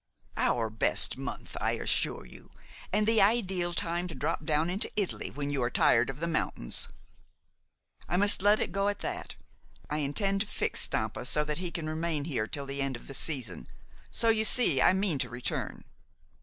"Our best month, I assure you, and the ideal time to drop down into Italy when you are tired of the mountains." "I must let it go at that. I intend to fix Stampa so that he can remain here till the end of the season. So you see I mean to return."